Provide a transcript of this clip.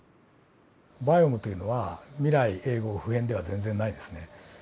バイオームというのは未来永劫不変では全然ないですね。